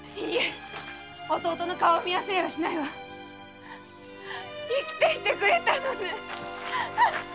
いいえ弟の顔を見忘れはしないわ生きていてくれたのね。